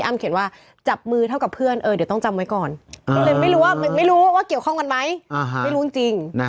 เขียนว่าจับมือเท่ากับเพื่อนเดี๋ยวต้องจำไว้ก่อนเลยไม่รู้ว่าเกี่ยวข้องกันไหมไม่รู้จริง